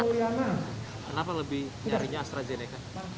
kenapa lebih nyarinya astrazeneca